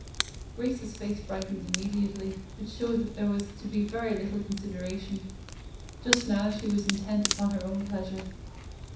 Grace's face brightened immediately, which showed that there was to be very little consid eration. Just now she was intent upon her own pleasure.